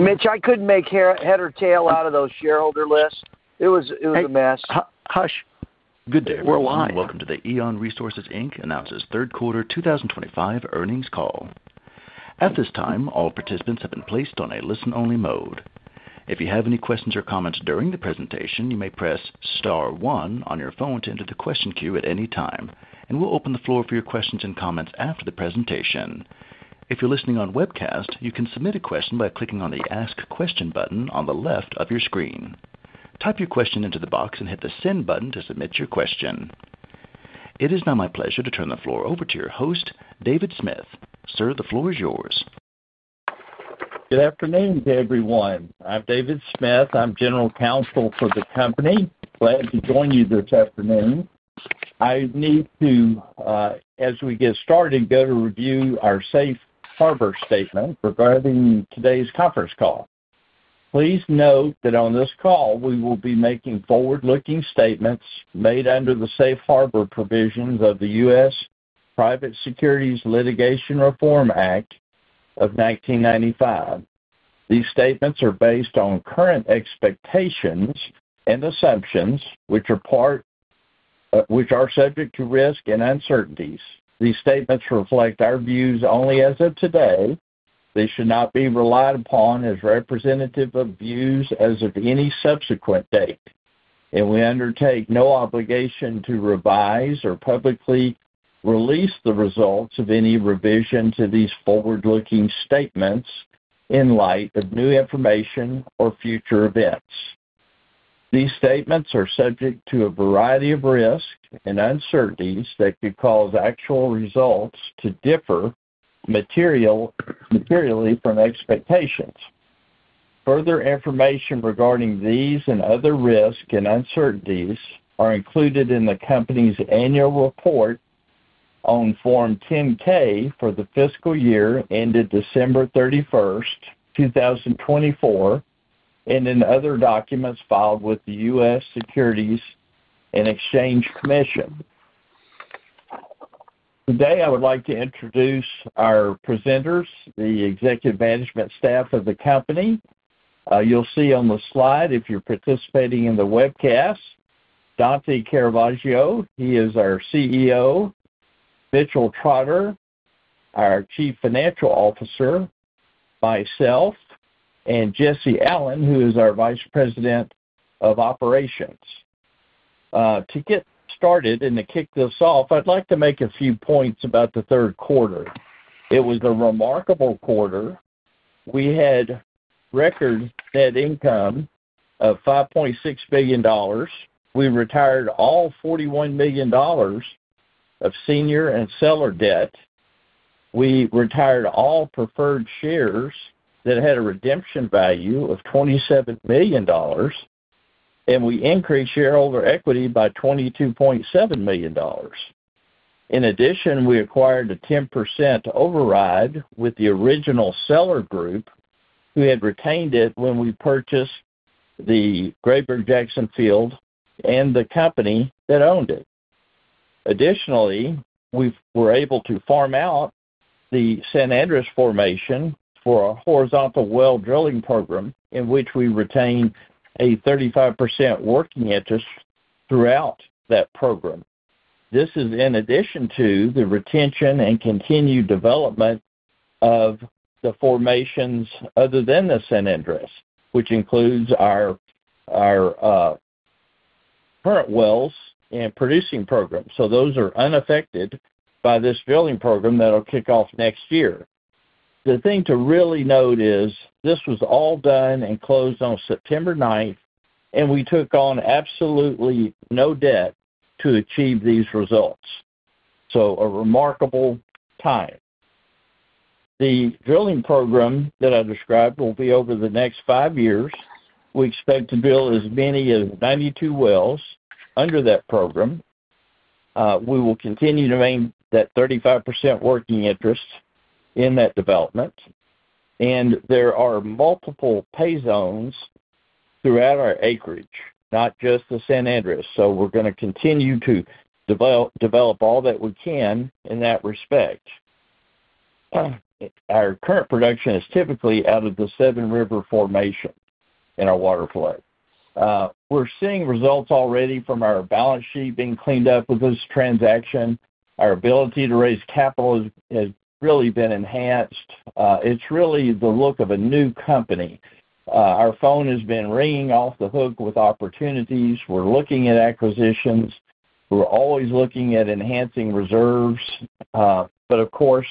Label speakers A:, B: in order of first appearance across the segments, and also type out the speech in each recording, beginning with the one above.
A: Mitch, I couldn't make head or tail out of those shareholder lists. It was, it was a mess. Hush.
B: Good day, worldwide. Welcome to the EON Resources Inc Announces Third Quarter 2025 Earnings Call. At this time, all participants have been placed on a listen-only mode. If you have any questions or comments during the presentation, you may press star one on your phone to enter the question queue at any time, and we'll open the floor for your questions and comments after the presentation. If you're listening on webcast, you can submit a question by clicking on the ask question button on the left of your screen. Type your question into the box and hit the send button to submit your question. It is now my pleasure to turn the floor over to your host, David Smith. Sir, the floor is yours.
C: Good afternoon to everyone. I'm David Smith. I'm General Counsel for the company. Glad to join you this afternoon. I need to, as we get started, go to review our safe harbor statement regarding today's conference call. Please note that on this call, we will be making forward-looking statements made under the safe harbor provisions of the U.S. Private Securities Litigation Reform Act of 1995. These statements are based on current expectations and assumptions, which are subject to risk and uncertainties. These statements reflect our views only as of today. They should not be relied upon as representative of views as of any subsequent date, and we undertake no obligation to revise or publicly release the results of any revision to these forward-looking statements in light of new information or future events. These statements are subject to a variety of risks and uncertainties that could cause actual results to differ materially from expectations. Further information regarding these and other risks and uncertainties are included in the company's annual report on Form 10-K for the fiscal year ended December 31, 2024, and in other documents filed with the U.S. Securities and Exchange Commission. Today, I would like to introduce our presenters, the executive management staff of the company. You'll see on the slide if you're participating in the webcast, Dante Caravaggio. He is our CEO, Mitchell Trotter, our Chief Financial Officer, myself, and Jesse Allen, who is our Vice President of Operations. To get started and to kick this off, I'd like to make a few points about the third quarter. It was a remarkable quarter. We had record net income of $5.6 billion. We retired all $41 million of senior and seller debt. We retired all preferred shares that had a redemption value of $27 million, and we increased shareholder equity by $22.7 million. In addition, we acquired a 10% override with the original seller group who had retained it when we purchased the Grayburg Jackson field and the company that owned it. Additionally, we were able to farm out the San Andreas formation for a horizontal well drilling program in which we retained a 35% working interest throughout that program. This is in addition to the retention and continued development of the formations other than the San Andreas, which includes our current wells and producing programs. Those are unaffected by this drilling program that'll kick off next year. The thing to really note is this was all done and closed on September 9, and we took on absolutely no debt to achieve these results. A remarkable time. The drilling program that I described will be over the next five years. We expect to drill as many as 92 wells under that program. We will continue to maintain that 35% working interest in that development, and there are multiple pay zones throughout our acreage, not just the San Andreas. We are gonna continue to develop, develop all that we can in that respect. Our current production is typically out of the Seven Rivers formation in our waterflood. We are seeing results already from our balance sheet being cleaned up with this transaction. Our ability to raise capital has really been enhanced. It is really the look of a new company. Our phone has been ringing off the hook with opportunities. We're looking at acquisitions. We're always looking at enhancing reserves. Of course,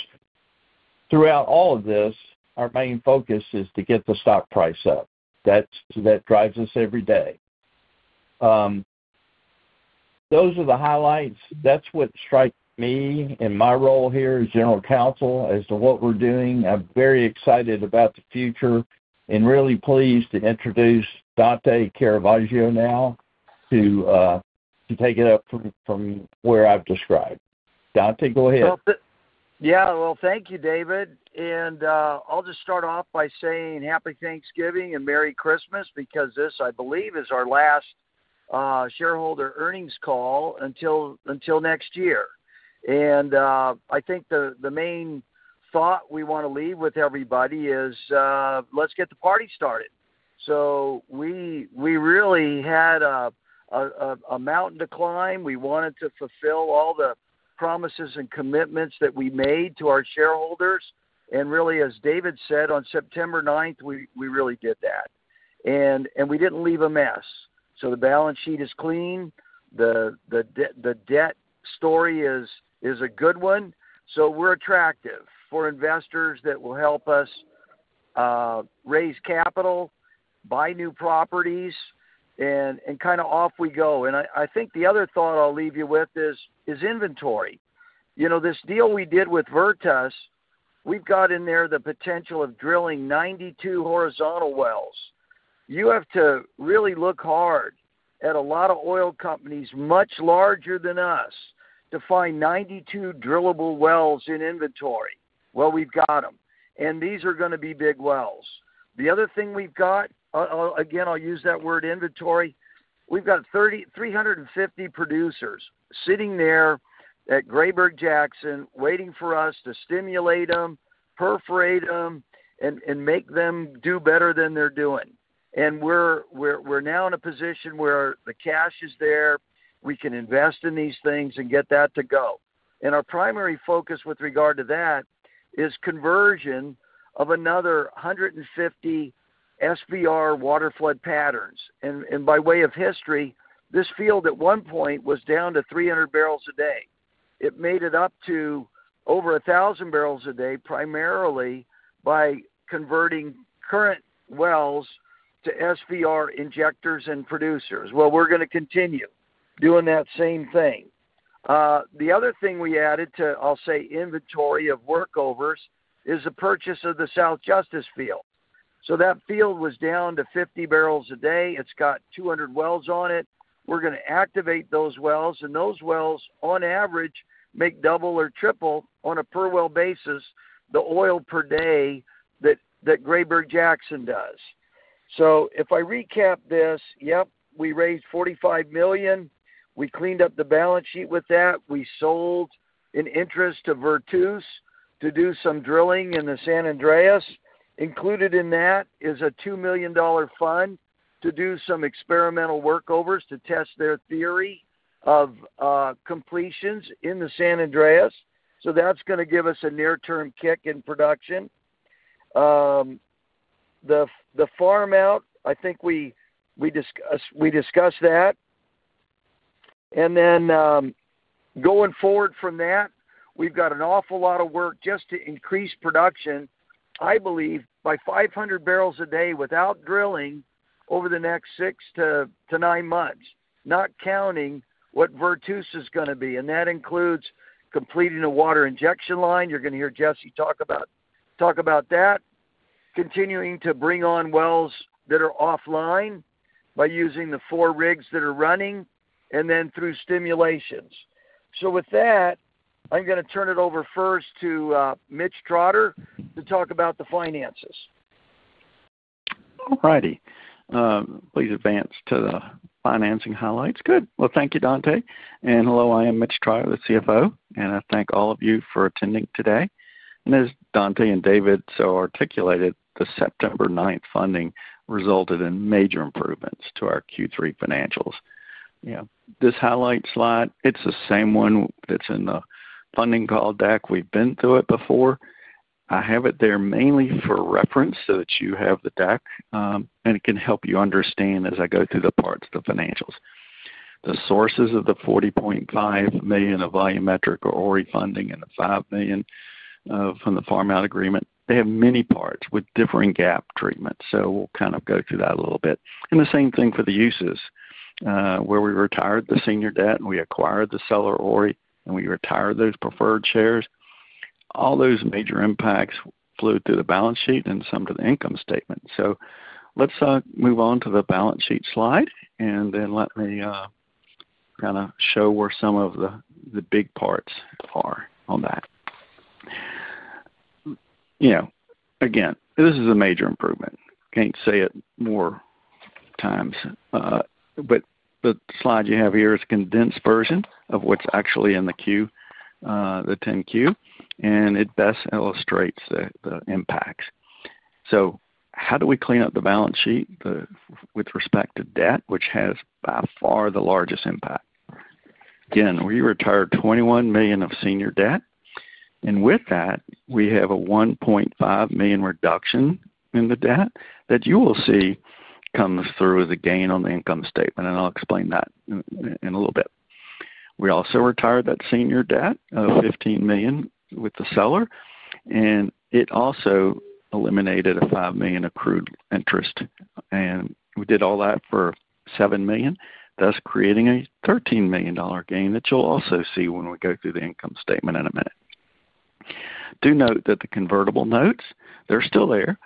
C: throughout all of this, our main focus is to get the stock price up. That drives us every day. Those are the highlights. That's what strikes me in my role here as General Counsel as to what we're doing. I'm very excited about the future and really pleased to introduce Dante Caravaggio now to take it up from where I've described. Dante, go ahead.
A: Thank you, David. I'll just start off by saying Happy Thanksgiving and Merry Christmas because this, I believe, is our last shareholder earnings call until next year. I think the main thought we wanna leave with everybody is, let's get the party started. We really had a mountain to climb. We wanted to fulfill all the promises and commitments that we made to our shareholders. Really, as David said, on September 9th, we really did that. We did not leave a mess. The balance sheet is clean. The debt story is a good one. We are attractive for investors that will help us raise capital, buy new properties, and off we go. I think the other thought I'll leave you with is inventory. You know, this deal we did with Vertus, we have in there the potential of drilling 92 horizontal wells. You have to really look hard at a lot of oil companies much larger than us to find 92 drillable wells in inventory. We have got them, and these are gonna be big wells. The other thing we have got, again, I will use that word inventory. We have got 30, 350 producers sitting there at Grayburg Jackson waiting for us to stimulate them, perforate them, and make them do better than they are doing. We are now in a position where the cash is there. We can invest in these things and get that to go. Our primary focus with regard to that is conversion of another 150 SVR water flood patterns. By way of history, this field at one point was down to 300 barrels a day. It made it up to over 1,000 barrels a day primarily by converting current wells to SVR injectors and producers. We are going to continue doing that same thing. The other thing we added to, I'll say, inventory of workovers is the purchase of the South Justice field. That field was down to 50 barrels a day. It's got 200 wells on it. We're gonna activate those wells, and those wells, on average, make double or triple on a per well basis the oil per day that Grayburg Jackson does. If I recap this, yep, we raised $45 million. We cleaned up the balance sheet with that. We sold an interest to Vertus to do some drilling in the San Andreas. Included in that is a $2 million fund to do some experimental workovers to test their theory of completions in the San Andreas. That's gonna give us a near-term kick in production. The farm-out, I think we discussed that. Then, going forward from that, we've got an awful lot of work just to increase production, I believe, by 500 barrels a day without drilling over the next six to nine months, not counting what Vertus is gonna be. That includes completing a water injection line. You're gonna hear Jesse talk about that, continuing to bring on wells that are offline by using the four rigs that are running, and then through stimulations. With that, I'm gonna turn it over first to Mitch Trotter to talk about the finances.
D: All righty. Please advance to the financing highlights. Good. Thank you, Dante. Hello, I am Mitch Trotter, the CFO, and I thank all of you for attending today. As Dante and David so articulated, the September 9th funding resulted in major improvements to our Q3 financials. Yeah. This highlight slide, it is the same one that is in the funding call deck. We have been through it before. I have it there mainly for reference so that you have the deck, and it can help you understand as I go through the parts, the financials. The sources of the $40.5 million of volumetric or refunding and the $5 million from the farm-out agreement, they have many parts with differing GAAP treatment. We will kind of go through that a little bit. The same thing for the uses, where we retired the senior debt and we acquired the seller ORI, and we retired those preferred shares. All those major impacts flowed through the balance sheet and some to the income statement. Let's move on to the balance sheet slide, and then let me kinda show where some of the big parts are on that. You know, again, this is a major improvement. Can't say it more times, but the slide you have here is a condensed version of what's actually in the Q, the 10-Q, and it best illustrates the impacts. How do we clean up the balance sheet with respect to debt, which has by far the largest impact? Again, we retired $21 million of senior debt, and with that, we have a $1.5 million reduction in the debt that you will see comes through as a gain on the income statement, and I'll explain that in a little bit. We also retired that senior debt of $15 million with the seller, and it also eliminated a $5 million accrued interest. We did all that for $7 million, thus creating a $13 million gain that you'll also see when we go through the income statement in a minute. Do note that the convertible notes, they're still there,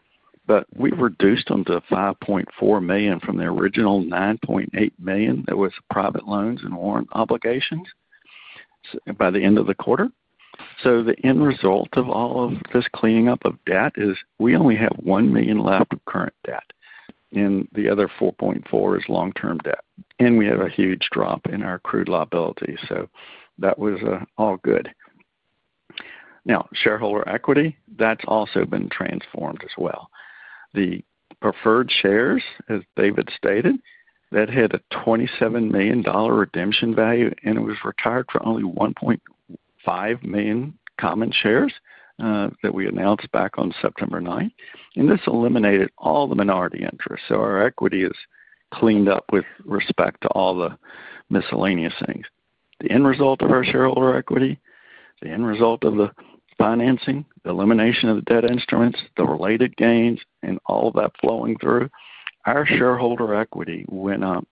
D: but we reduced them to $5.4 million from the original $9.8 million that was private loans and warrant obligations by the end of the quarter. The end result of all of this cleaning up of debt is we only have $1 million left of current debt, and the other $4.4 million is long-term debt, and we have a huge drop in our accrued liability. That was all good. Now, shareholder equity, that's also been transformed as well. The preferred shares, as David stated, that had a $27 million redemption value, and it was retired for only 1.5 million common shares, that we announced back on September 9. This eliminated all the minority interest. Our equity is cleaned up with respect to all the miscellaneous things. The end result of our shareholder equity, the end result of the financing, the elimination of the debt instruments, the related gains, and all that flowing through, our shareholder equity went up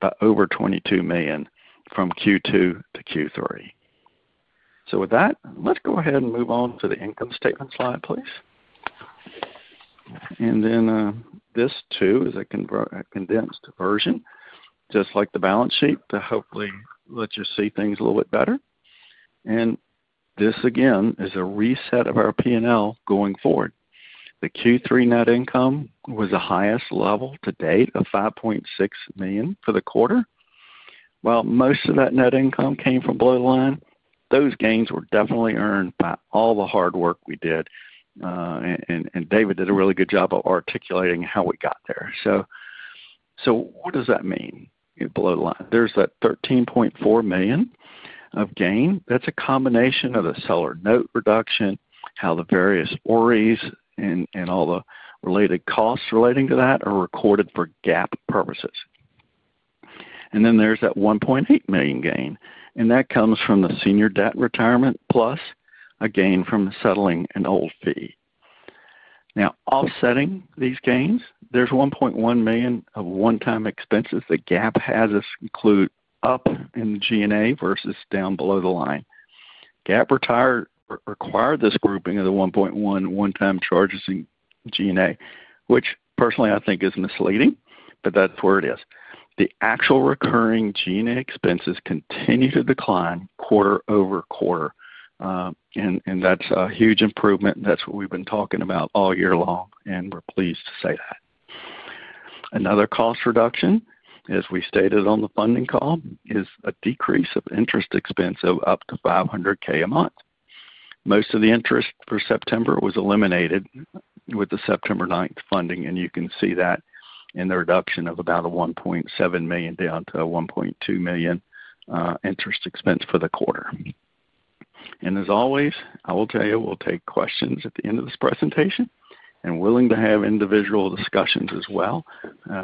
D: by over $22 million from Q2 to Q3. With that, let's go ahead and move on to the income statement slide, please. This too is a condensed version, just like the balance sheet, to hopefully let you see things a little bit better. This, again, is a reset of our P&L going forward. The Q3 net income was the highest level to date at $5.6 million for the quarter. While most of that net income came from Blue Line, those gains were definitely earned by all the hard work we did, and David did a really good job of articulating how we got there. What does that mean? In Blue Line, there is that $13.4 million of gain. That is a combination of the seller note reduction, how the various ORIs, and all the related costs relating to that are recorded for GAAP purposes. There is that $1.8 million gain, and that comes from the senior debt retirement plus a gain from settling an old fee. Now, offsetting these gains, there is $1.1 million of one-time expenses. GAAP has us include up in the G&A versus down below the line. GAAP required this grouping of the $1.1 million one-time charges in G&A, which personally I think is misleading, but that is where it is. The actual recurring G&A expenses continue to decline quarter over quarter, and that is a huge improvement. That is what we have been talking about all year long, and we are pleased to say that. Another cost reduction, as we stated on the funding call, is a decrease of interest expense of up to $500,000 a month. Most of the interest for September was eliminated with the September 9th funding, and you can see that in the reduction of about $1.7 million down to $1.2 million, interest expense for the quarter. As always, I will tell you, we'll take questions at the end of this presentation and willing to have individual discussions as well.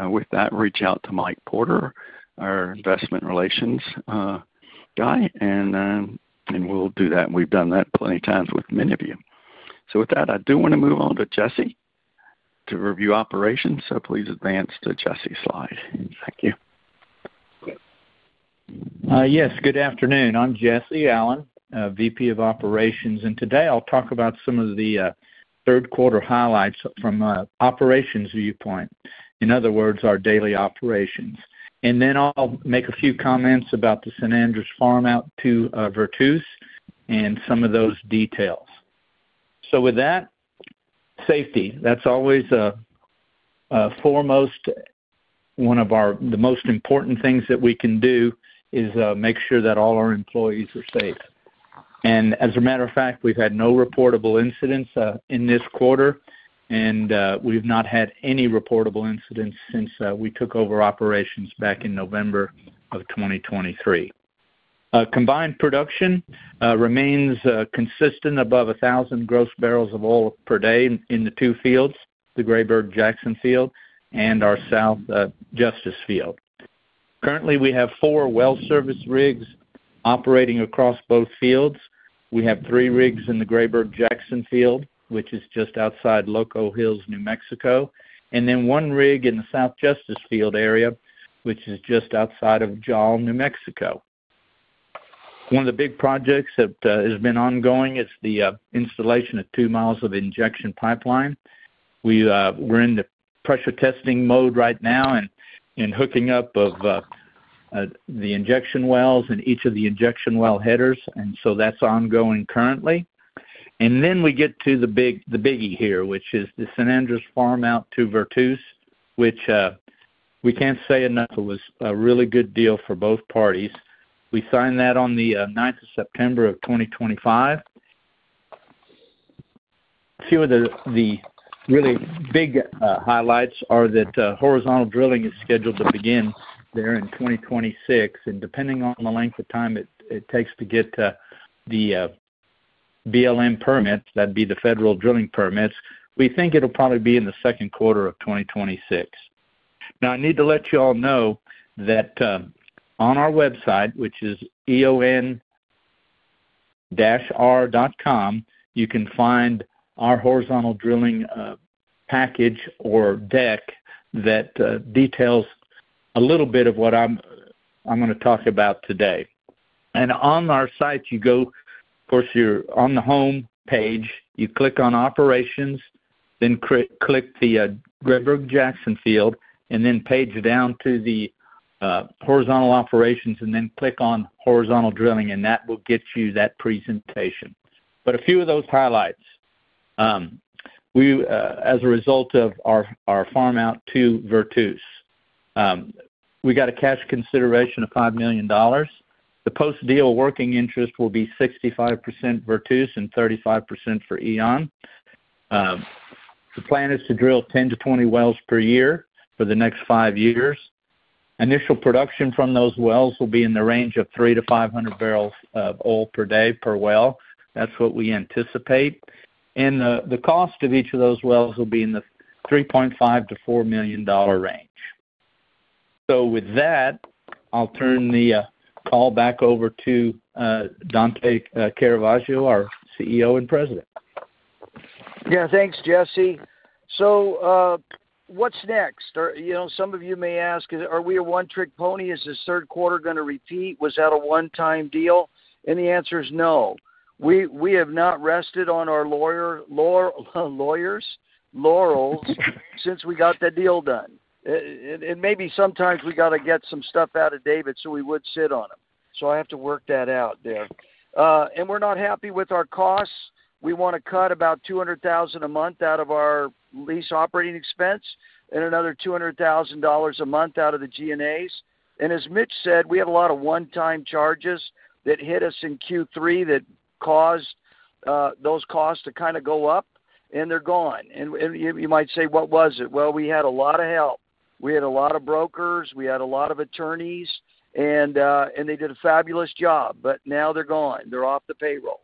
D: With that, reach out to Mike Porter, our investor relations guy, and we'll do that. We've done that plenty of times with many of you. With that, I do wanna move on to Jesse to review operations. Please advance to Jesse's slide. Thank you.
E: Yes. Good afternoon. I'm Jesse Allen, VP of Operations. Today I'll talk about some of the third quarter highlights from an operations viewpoint, in other words, our daily operations. I'll make a few comments about the San Andreas farm-out to Vertus and some of those details. With that, safety, that's always a foremost, one of the most important things that we can do is make sure that all our employees are safe. As a matter of fact, we've had no reportable incidents in this quarter, and we've not had any reportable incidents since we took over operations back in November of 2023. Combined production remains consistent above 1,000 gross barrels of oil per day in the two fields, the Grayburg Jackson field and our South Justice field. Currently, we have four well service rigs operating across both fields. We have three rigs in the Grayburg Jackson field, which is just outside Loco Hills, New Mexico, and then one rig in the South Justice field area, which is just outside of Jal, New Mexico. One of the big projects that has been ongoing is the installation of two miles of injection pipeline. We are in the pressure testing mode right now and hooking up the injection wells and each of the injection well headers. That is ongoing currently. We get to the big, the biggie here, which is the San Andreas farm-out to Vertus, which we cannot say enough. It was a really good deal for both parties. We signed that on the 9th of September of 2025. A few of the really big highlights are that horizontal drilling is scheduled to begin there in 2026. Depending on the length of time it takes to get the BLM permits, that would be the federal drilling permits, we think it will probably be in the second quarter of 2026. I need to let you all know that on our website, which is EON-R.com, you can find our horizontal drilling package or deck that details a little bit of what I am going to talk about today. On our site, you go, of course, you are on the home page, you click on operations, then click the Grayburg Jackson field, and then page down to the horizontal operations, and then click on horizontal drilling, and that will get you that presentation. A few of those highlights, we, as a result of our farm-out to Vertus, we got a cash consideration of $5 million. The post-deal working interest will be 65% Vertus and 35% for EON. The plan is to drill 10-20 wells per year for the next five years. Initial production from those wells will be in the range of 300-500 barrels of oil per day per well. That's what we anticipate. The cost of each of those wells will be in the $3.5-$4 million range. With that, I'll turn the call back over to Dante Caravaggio, our CEO and President.
A: Yeah. Thanks, Jesse. So, what's next? Or, you know, some of you may ask, are we a one-trick pony? Is this third quarter gonna repeat? Was that a one-time deal? The answer is no. We have not rested on our laurels since we got that deal done. Maybe sometimes we gotta get some stuff out of David, so we would sit on them. I have to work that out there. We are not happy with our costs. We want to cut about $200,000 a month out of our lease operating expense and another $200,000 a month out of the G&As. As Mitch said, we have a lot of one-time charges that hit us in Q3 that caused those costs to kind of go up, and they're gone. You might say, what was it? We had a lot of help. We had a lot of brokers. We had a lot of attorneys, and they did a fabulous job, but now they're gone. They're off the payroll.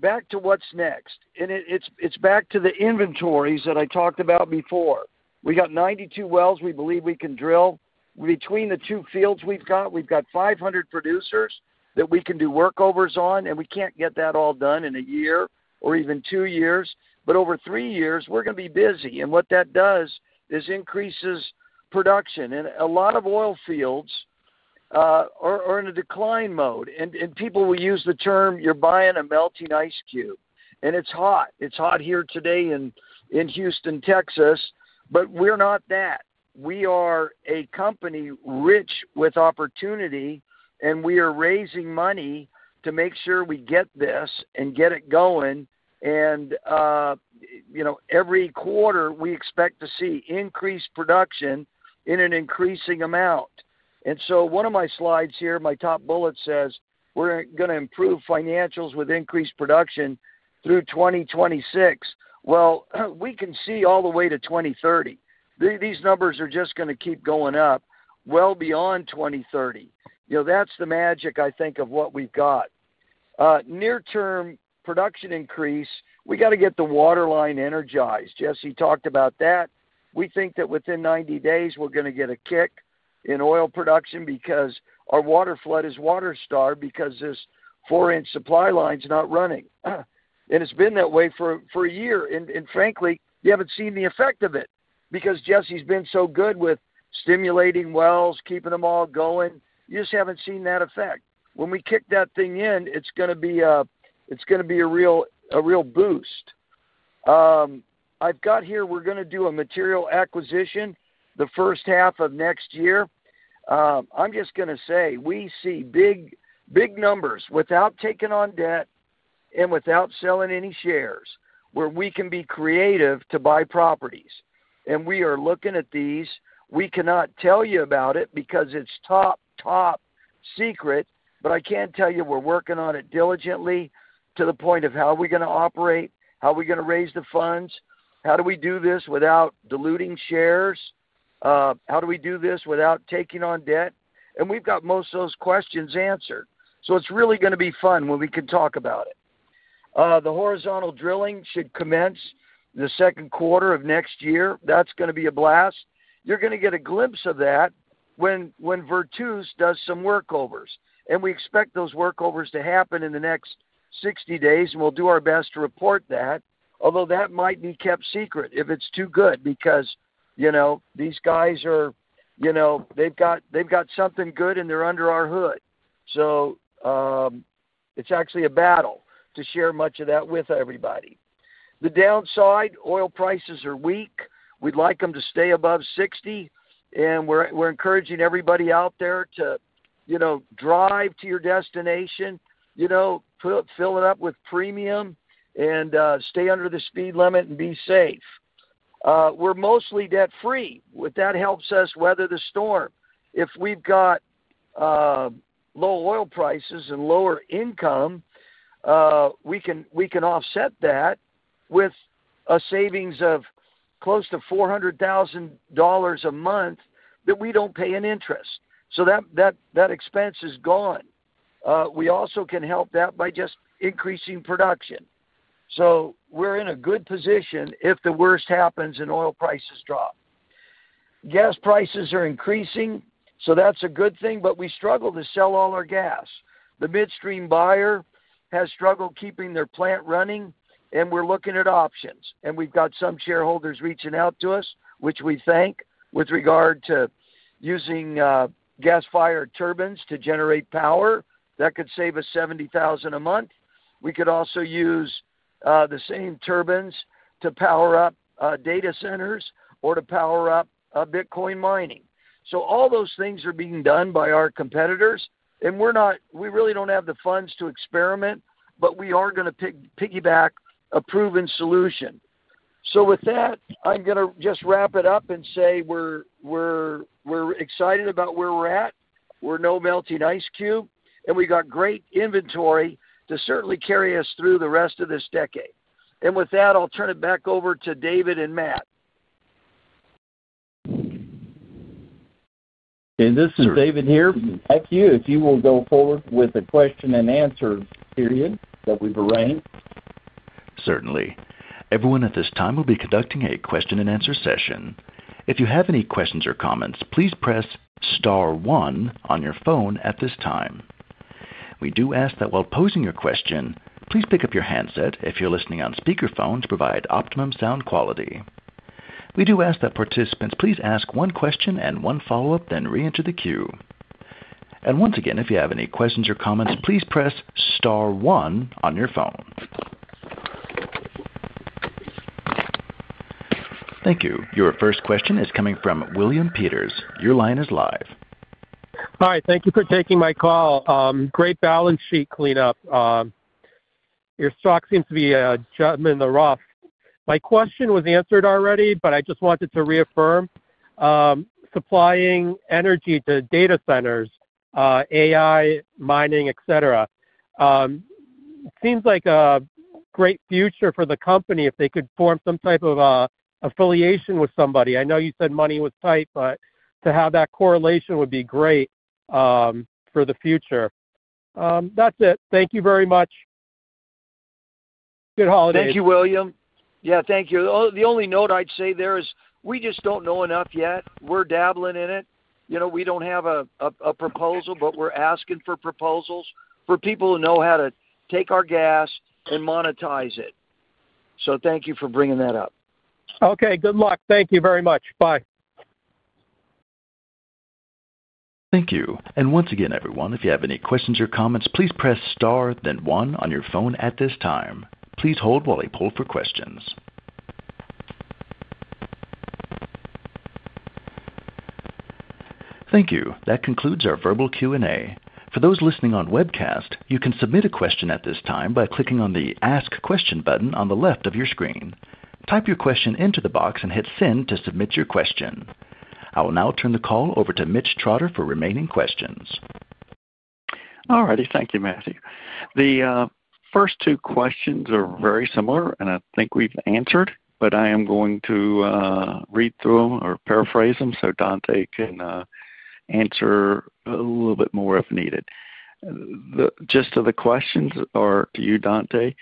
A: Back to what's next. It is back to the inventories that I talked about before. We got 92 wells we believe we can drill. Between the two fields we've got, we've got 500 producers that we can do workovers on, and we can't get that all done in a year or even two years. Over three years, we're gonna be busy. What that does is increases production. A lot of oil fields are in a decline mode, and people will use the term, you're buying a melting ice cube, and it's hot. It's hot here today in Houston, Texas, but we're not that. We are a company rich with opportunity, and we are raising money to make sure we get this and get it going. You know, every quarter we expect to see increased production in an increasing amount. One of my slides here, my top bullet says, we're gonna improve financials with increased production through 2026. We can see all the way to 2030. These numbers are just gonna keep going up well beyond 2030. You know, that's the magic, I think, of what we've got. Near-term production increase, we gotta get the water line energized. Jesse talked about that. We think that within 90 days, we're gonna get a kick in oil production because our waterflood is water starved because this four-inch supply line's not running. It's been that way for a year. Frankly, you have not seen the effect of it because Jesse has been so good with stimulating wells, keeping them all going. You just have not seen that effect. When we kick that thing in, it is going to be a real, a real boost. I have got here, we are going to do a material acquisition the first half of next year. I am just going to say we see big, big numbers without taking on debt and without selling any shares where we can be creative to buy properties. We are looking at these. We cannot tell you about it because it is top, top secret, but I can tell you we are working on it diligently to the point of how are we going to operate, how are we going to raise the funds, how do we do this without diluting shares, how do we do this without taking on debt? We've got most of those questions answered. It's really gonna be fun when we can talk about it. The horizontal drilling should commence the second quarter of next year. That's gonna be a blast. You're gonna get a glimpse of that when Vertus does some workovers. We expect those workovers to happen in the next 60 days, and we'll do our best to report that, although that might be kept secret if it's too good because, you know, these guys are, you know, they've got something good, and they're under our hood. It's actually a battle to share much of that with everybody. The downside, oil prices are weak. We'd like them to stay above 60, and we're encouraging everybody out there to, you know, drive to your destination, you know, fill it up with premium and stay under the speed limit and be safe. We're mostly debt-free, which helps us weather the storm. If we've got low oil prices and lower income, we can offset that with a savings of close to $400,000 a month that we don't pay in interest. That expense is gone. We also can help that by just increasing production. We're in a good position if the worst happens and oil prices drop. Gas prices are increasing, so that's a good thing, but we struggle to sell all our gas. The midstream buyer has struggled keeping their plant running, and we're looking at options. We have some shareholders reaching out to us, which we thank, with regard to using gas-fired turbines to generate power that could save us $70,000 a month. We could also use the same turbines to power up data centers or to power up Bitcoin mining. All those things are being done by our competitors, and we really do not have the funds to experiment, but we are going to piggyback a proven solution. With that, I am just going to wrap it up and say we are excited about where we are at. We are no melting ice cube, and we have great inventory to certainly carry us through the rest of this decade. With that, I will turn it back over to David and Matt.
C: This is David here. Thank you. If you will go forward with the question and answer period that we've arranged.
B: Certainly. Everyone at this time will be conducting a question and answer session. If you have any questions or comments, please press star one on your phone at this time. We do ask that while posing your question, please pick up your handset if you're listening on speakerphone to provide optimum sound quality. We do ask that participants please ask one question and one follow-up, then re-enter the queue. Once again, if you have any questions or comments, please press star one on your phone. Thank you. Your first question is coming from William Peters. Your line is live. Hi. Thank you for taking my call. Great balance sheet cleanup. Your stock seems to be a gentleman in the rough. My question was answered already, but I just wanted to reaffirm, supplying energy to data centers, AI mining, etc. seems like a great future for the company if they could form some type of affiliation with somebody. I know you said money was tight, but to have that correlation would be great for the future. That's it. Thank you very much. Good holidays.
A: Thank you, William. Yeah. Thank you. The only note I'd say there is we just do not know enough yet. We're dabbling in it. You know, we do not have a proposal, but we're asking for proposals for people who know how to take our gas and monetize it. So thank you for bringing that up. Okay. Good luck. Thank you very much. Bye.
B: Thank you. Once again, everyone, if you have any questions or comments, please press star, then one on your phone at this time. Please hold while I poll for questions. Thank you. That concludes our verbal Q&A. For those listening on webcast, you can submit a question at this time by clicking on the ask question button on the left of your screen. Type your question into the box and hit send to submit your question. I will now turn the call over to Mitchell Trotter for remaining questions.
D: All righty. Thank you, Matthew. The first two questions are very similar, and I think we've answered, but I am going to read through them or paraphrase them so Dante can answer a little bit more if needed. The gist of the questions are to you, Dante.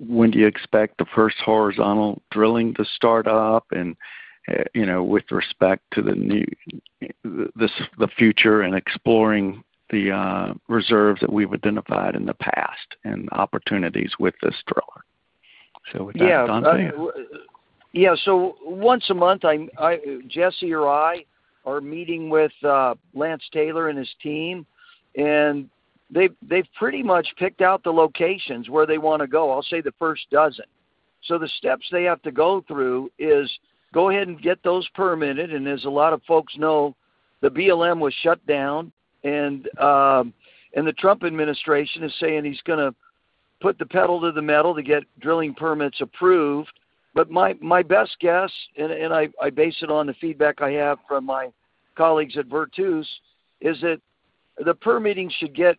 D: When do you expect the first horizontal drilling to start up? And, you know, with respect to the new, the future and exploring the reserves that we've identified in the past and opportunities with this driller. So with that, Dante.
A: Yeah. Yeah. So once a month, I, Jesse or I are meeting with Lance Taylor and his team, and they've pretty much picked out the locations where they wanna go. I'll say the first dozen. The steps they have to go through is go ahead and get those permitted. As a lot of folks know, the BLM was shut down, and the Trump administration is saying he's gonna put the pedal to the metal to get drilling permits approved. My best guess, and I base it on the feedback I have from my colleagues at Vertus, is that the permitting should get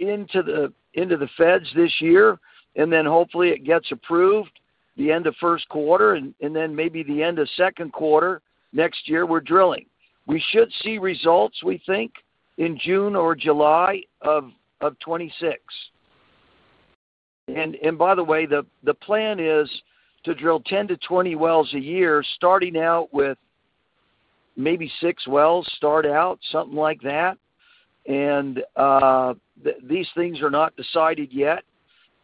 A: into the feds this year, and then hopefully it gets approved the end of first quarter and then maybe the end of second quarter next year we're drilling. We should see results, we think, in June or July of 2026. The plan is to drill 10-20 wells a year, starting out with maybe six wells, start out, something like that. These things are not decided yet,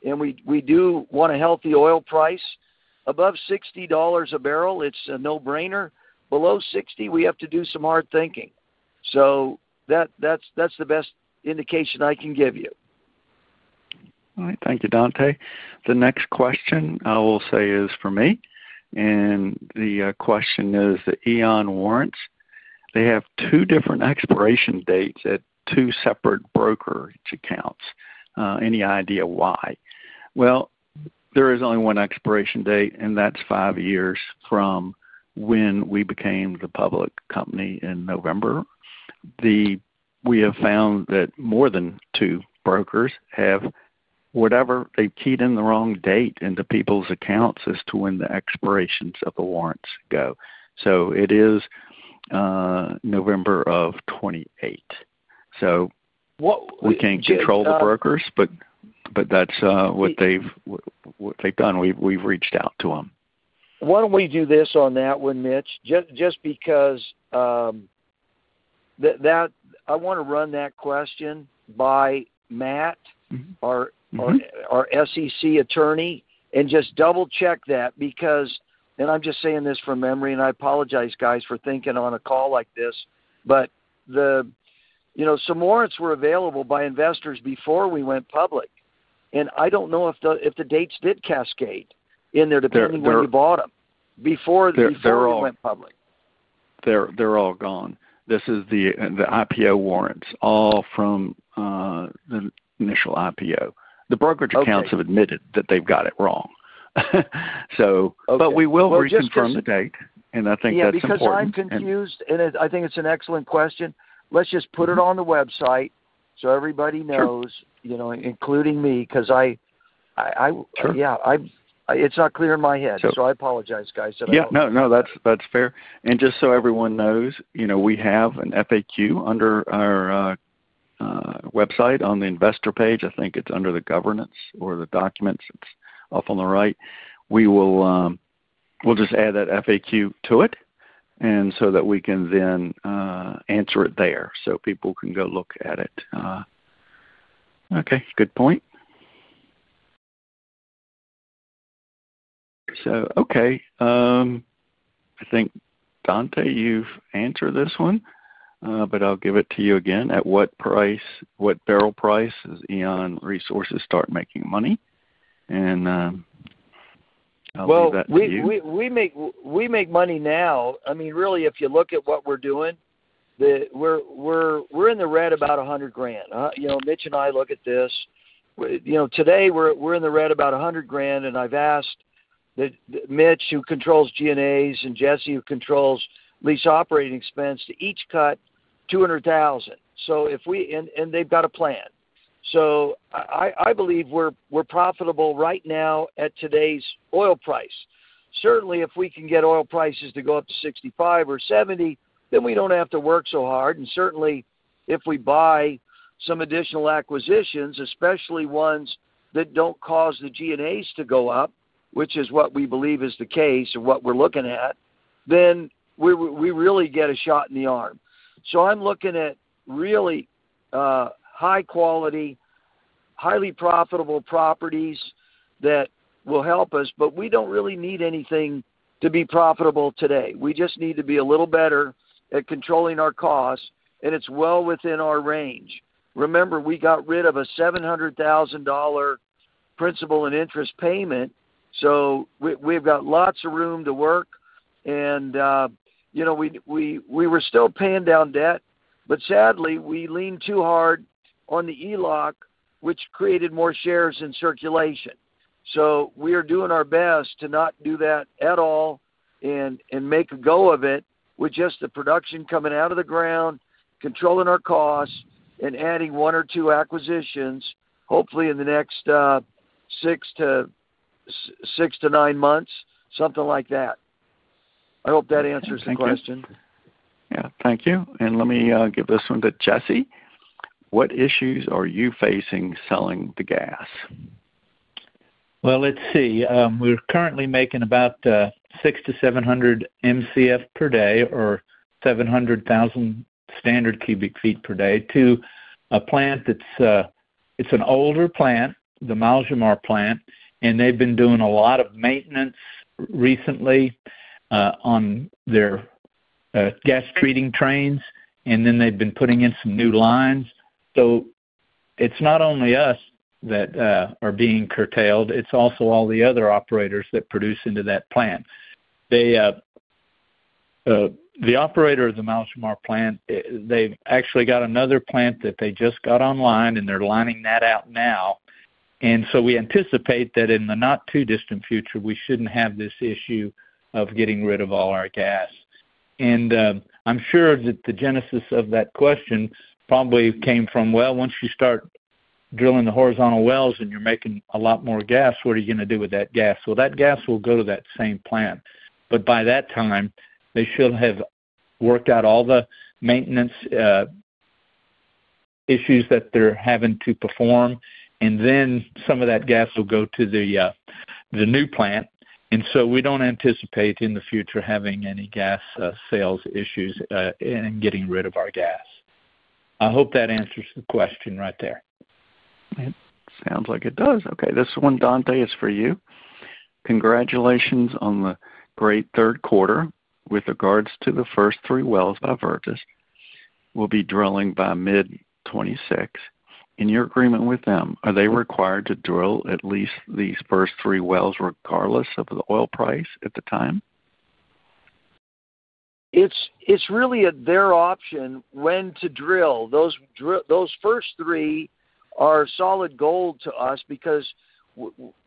A: and we do want a healthy oil price. Above $60 a barrel, it is a no-brainer. Below $60, we have to do some hard thinking. That is the best indication I can give you.
D: All right. Thank you, Dante. The next question, I will say, is for me. And the question is the EON warrants. They have two different expiration dates at two separate brokerage accounts. Any idea why? There is only one expiration date, and that's five years from when we became the public company in November. We have found that more than two brokers have keyed in the wrong date into people's accounts as to when the expirations of the warrants go. It is November of 2028. We can't control the brokers, but that's what they've done. We've reached out to them.
A: Why don't we do this on that one, Mitch? Just because I wanna run that question by Matt.
D: Mm-hmm.
A: Our SEC attorney and just double-check that because, and I'm just saying this from memory, I apologize, guys, for thinking on a call like this, but, you know, some warrants were available by investors before we went public. I don't know if the dates did cascade in there depending on.
D: They're gone.
A: Where you bought them before they.
D: They're all.
A: Before we went public.
D: They're all gone. This is the IPO warrants all from the initial IPO. The brokerage accounts have admitted that they've got it wrong.
A: Okay.
D: We will reconfirm the date, and I think that's important.
A: Yeah. Because I'm confused, and I think it's an excellent question. Let's just put it on the website so everybody knows, you know, including me, 'cause I.
D: Sure.
A: Yeah. I'm, it's not clear in my head.
D: Sure.
A: I apologize, guys, that I'm not.
D: Yeah. No, no. That's fair. And just so everyone knows, you know, we have an FAQ under our website on the investor page. I think it's under the governance or the documents. It's off on the right. We will just add that FAQ to it and so that we can then answer it there so people can go look at it. Okay. Good point. Okay. I think, Dante, you've answered this one, but I'll give it to you again. At what price, what barrel price does EON Resources start making money? And, I'll give that to you.
A: We make money now. I mean, really, if you look at what we're doing, we're in the red about $100,000. You know, Mitch and I look at this. You know, today, we're in the red about $100,000, and I've asked that Mitch, who controls G&As, and Jesse, who controls lease operating expense, to each cut $200,000. If we, and they've got a plan. I believe we're profitable right now at today's oil price. Certainly, if we can get oil prices to go up to $65 or $70, then we don't have to work so hard. If we buy some additional acquisitions, especially ones that do not cause the G&As to go up, which is what we believe is the case or what we are looking at, then we really get a shot in the arm. I am looking at really high-quality, highly profitable properties that will help us, but we do not really need anything to be profitable today. We just need to be a little better at controlling our costs, and it is well within our range. Remember, we got rid of a $700,000 principal and interest payment, so we have got lots of room to work. You know, we were still paying down debt, but sadly, we leaned too hard on the ELOC, which created more shares in circulation. We are doing our best to not do that at all and make a go of it with just the production coming out of the ground, controlling our costs, and adding one or two acquisitions, hopefully in the next six to nine months, something like that. I hope that answers the question.
D: Thank you. Yeah. Thank you. Let me give this one to Jesse. What issues are you facing selling the gas?
E: Let's see. We're currently making about 6-700 MCF per day, or 700,000 standard cubic feet per day, to a plant that's an older plant, the Malmstrom plant. They've been doing a lot of maintenance recently on their gas treating trains, and they've been putting in some new lines. It's not only us that are being curtailed. It's also all the other operators that produce into that plant. The operator of the Malmstrom plant, they've actually got another plant that they just got online, and they're lining that out now. We anticipate that in the not-too-distant future, we shouldn't have this issue of getting rid of all our gas. I'm sure that the genesis of that question probably came from, "Well, once you start drilling the horizontal wells and you're making a lot more gas, what are you gonna do with that gas?" That gas will go to that same plant. By that time, they should have worked out all the maintenance issues that they're having to perform, and then some of that gas will go to the new plant. We do not anticipate in the future having any gas sales issues and getting rid of our gas. I hope that answers the question right there.
D: It sounds like it does. Okay. This one, Dante, is for you. Congratulations on the great third quarter with regards to the first three wells by Vertus. We'll be drilling by mid-2026. In your agreement with them, are they required to drill at least these first three wells regardless of the oil price at the time?
A: It's really their option when to drill. Those first three are solid gold to us because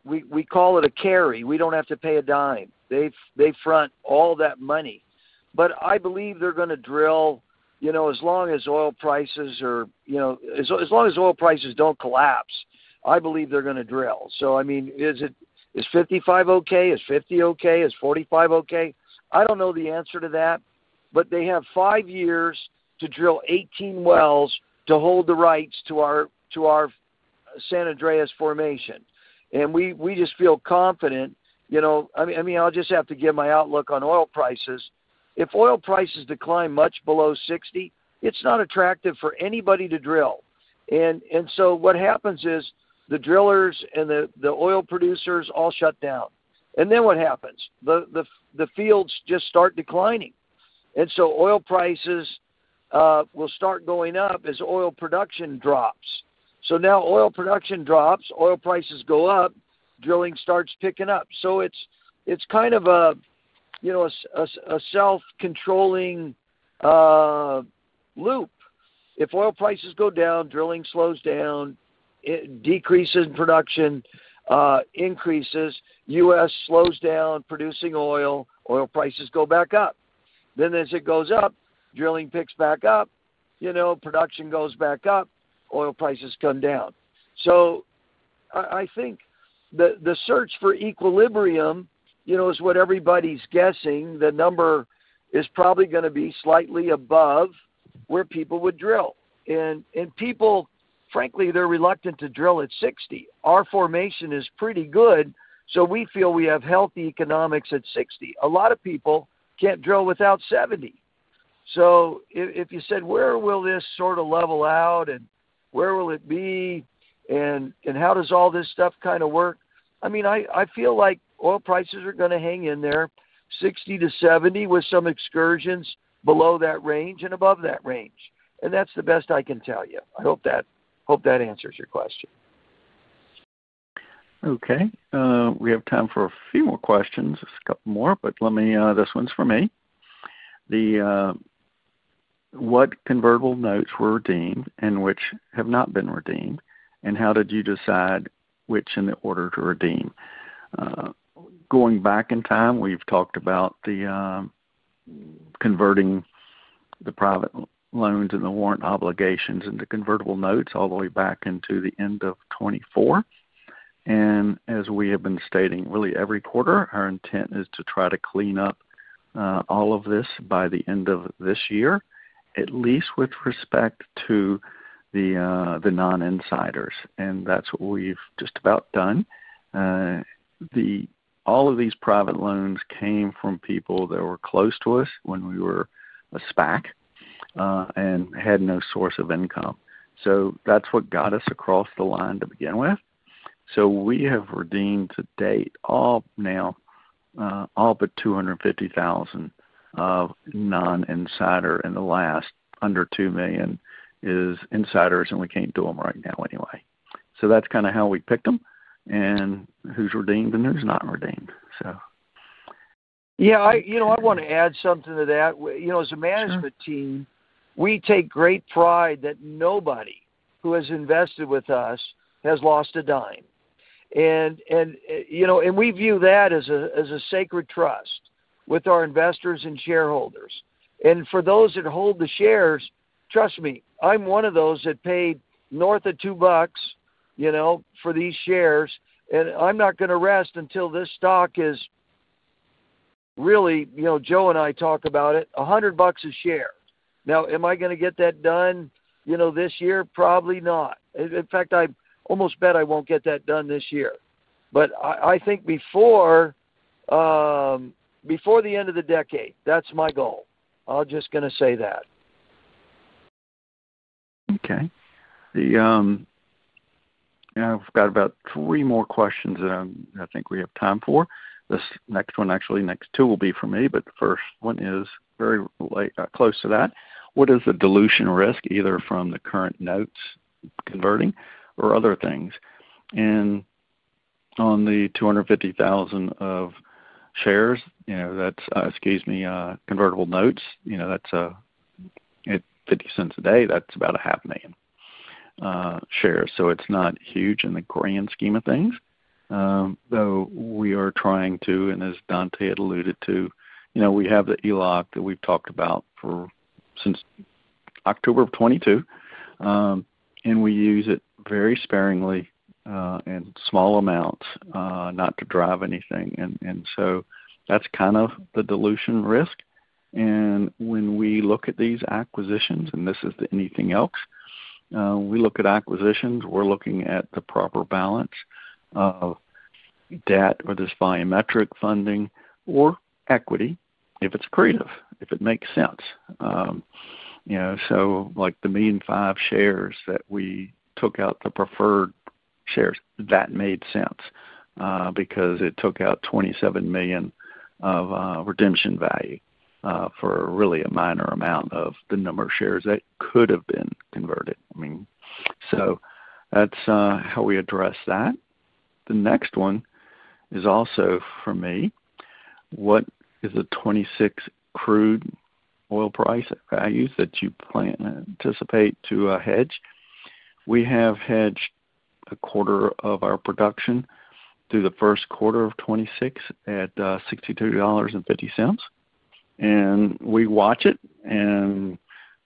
A: we call it a carry. We don't have to pay a dime. They front all that money. I believe they're gonna drill, you know, as long as oil prices are, you know, as long as oil prices don't collapse, I believe they're gonna drill. Is $55 okay? Is $50 okay? Is $45 okay? I don't know the answer to that, but they have five years to drill 18 wells to hold the rights to our San Andreas formation. We just feel confident, you know. I mean, I'll just have to give my outlook on oil prices. If oil prices decline much below $60, it's not attractive for anybody to drill. What happens is the drillers and the oil producers all shut down. Then what happens? The fields just start declining. Oil prices will start going up as oil production drops. Now oil production drops, oil prices go up, drilling starts picking up. It is kind of a self-controlling loop. If oil prices go down, drilling slows down, it decreases in production, increases. U.S. slows down producing oil, oil prices go back up. As it goes up, drilling picks back up, production goes back up, oil prices come down. I think the search for equilibrium is what everybody is guessing. The number is probably going to be slightly above where people would drill. People, frankly, are reluctant to drill at $60. Our formation is pretty good, so we feel we have healthy economics at $60. A lot of people can't drill without $70. If you said, "Where will this sort of level out, and where will it be, and how does all this stuff kinda work?" I mean, I feel like oil prices are gonna hang in there $60-$70 with some excursions below that range and above that range. That's the best I can tell you. I hope that answers your question.
D: Okay. We have time for a few more questions. Just a couple more, but let me, this one's for me. What convertible notes were redeemed and which have not been redeemed, and how did you decide which in order to redeem? Going back in time, we've talked about converting the private loans and the warrant obligations into convertible notes all the way back into the end of 2024. And as we have been stating, really every quarter, our intent is to try to clean up all of this by the end of this year, at least with respect to the non-insiders. And that's what we've just about done. All of these private loans came from people that were close to us when we were a SPAC, and had no source of income. So that's what got us across the line to begin with. We have redeemed to date all now, all but $250,000 of non-insider, and the last under $2 million is insiders, and we can't do them right now anyway. That's kinda how we picked them, and who's redeemed and who's not redeemed.
A: Yeah. I, you know, I wanna add something to that. You know, as a management team, we take great pride that nobody who has invested with us has lost a dime. And, you know, we view that as a sacred trust with our investors and shareholders. For those that hold the shares, trust me, I'm one of those that paid north of $2, you know, for these shares, and I'm not gonna rest until this stock is really, you know, Joe and I talk about it, $100 a share. Now, am I gonna get that done, you know, this year? Probably not. In fact, I almost bet I won't get that done this year. I think before, before the end of the decade, that's my goal. I'm just gonna say that.
D: Okay. I've got about three more questions that I think we have time for. This next one, actually, next two will be for me, but the first one is very close to that. What is the dilution risk either from the current notes converting or other things? And on the $250,000 of shares, you know, that's, excuse me, convertible notes, you know, that's, at $0.50 a day, that's about 500,000 shares. So it's not huge in the grand scheme of things. Though we are trying to, and as Dante had alluded to, you know, we have the ELOC that we've talked about since October of 2022, and we use it very sparingly, in small amounts, not to drive anything. And, and so that's kind of the dilution risk. When we look at these acquisitions, and this is the anything else, we look at acquisitions, we're looking at the proper balance of debt or this volumetric funding or equity if it's accretive, if it makes sense. You know, so like the mean five shares that we took out, the preferred shares, that made sense, because it took out $27 million of redemption value, for really a minor amount of the number of shares that could have been converted. I mean, so that's how we address that. The next one is also for me. What is the 2026 crude oil price values that you plan and anticipate to hedge? We have hedged a quarter of our production through the first quarter of 2026 at $62.50. And we watch it, and,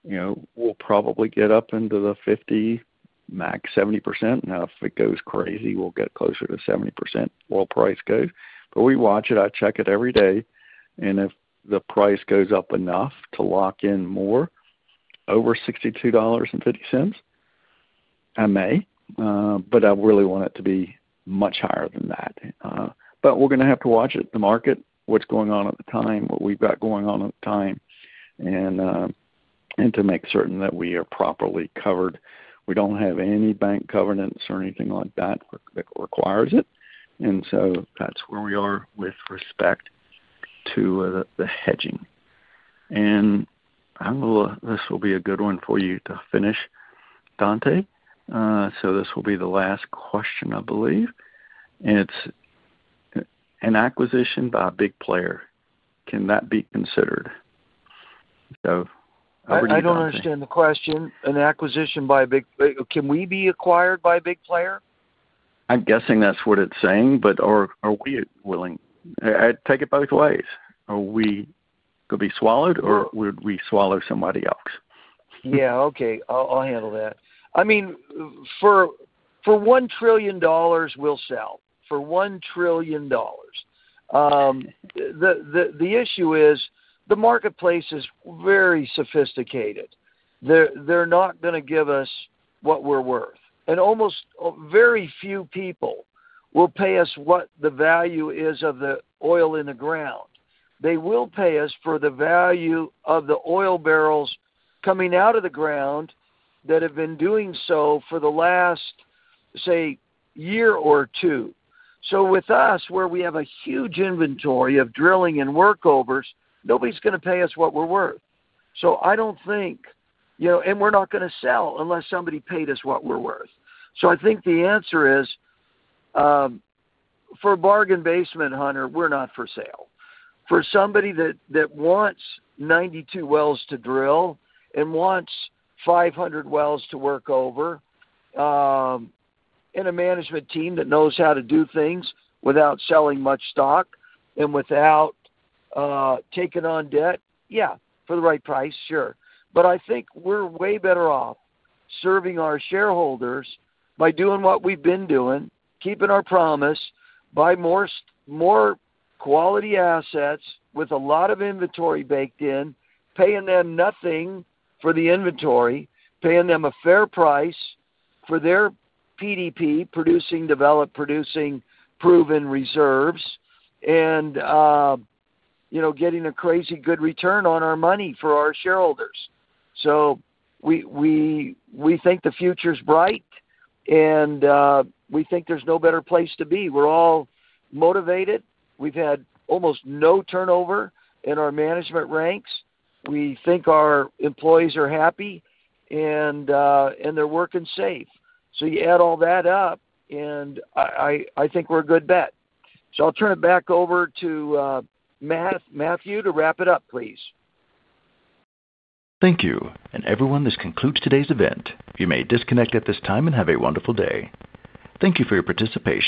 D: you know, we'll probably get up into the 50-70% max. Now, if it goes crazy, we'll get closer to 70% oil price goes. But we watch it. I check it every day. If the price goes up enough to lock in more over $62.50, I may, but I really want it to be much higher than that. We're gonna have to watch it, the market, what's going on at the time, what we've got going on at the time, and to make certain that we are properly covered. We don't have any bank governance or anything like that that requires it. That's where we are with respect to the hedging. This will be a good one for you to finish, Dante. This will be the last question, I believe. It's an acquisition by a big player. Can that be considered?
A: I don't understand the question. An acquisition by a big play, can we be acquired by a big player?
D: I'm guessing that's what it's saying, but are we willing? I take it both ways. Are we gonna be swallowed, or would we swallow somebody else?
A: Yeah. Okay. I'll handle that. I mean, for $1 trillion, we'll sell. For $1 trillion. The issue is the marketplace is very sophisticated. They're not gonna give us what we're worth. And almost, very few people will pay us what the value is of the oil in the ground. They will pay us for the value of the oil barrels coming out of the ground that have been doing so for the last, say, year or two. With us, where we have a huge inventory of drilling and workovers, nobody's gonna pay us what we're worth. I don't think, you know, and we're not gonna sell unless somebody paid us what we're worth. I think the answer is, for bargain basement hunter, we're not for sale. For somebody that wants 92 wells to drill and wants 500 wells to work over, and a management team that knows how to do things without selling much stock and without taking on debt, yeah, for the right price, sure. I think we're way better off serving our shareholders by doing what we've been doing, keeping our promise, buy more quality assets with a lot of inventory baked in, paying them nothing for the inventory, paying them a fair price for their PDP, producing, develop, producing, proven reserves, and, you know, getting a crazy good return on our money for our shareholders. We think the future's bright, and we think there's no better place to be. We're all motivated. We've had almost no turnover in our management ranks. We think our employees are happy, and they're working safe. You add all that up, and I think we're a good bet. I'll turn it back over to Matthew to wrap it up, please.
B: Thank you. Everyone, this concludes today's event. You may disconnect at this time and have a wonderful day. Thank you for your participation.